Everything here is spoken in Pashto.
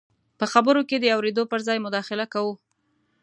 په خبرو کې د اورېدو پر ځای مداخله کوو.